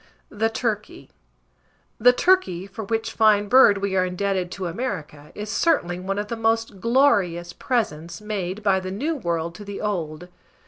THE TURKEY. The turkey, for which fine bird we are indebted to America, is certainly one of the most glorious presents made by the New World to the Old.